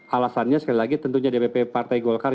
alasannya sekali lagi tentunya dpp partai golkar jawa barat